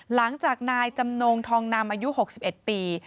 หลังจากนายจำนงทองนำอายุ๖๑ปี